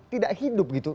tidak hidup gitu